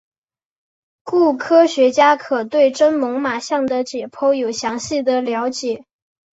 故科学家可以对真猛玛象的解剖有详细的了解。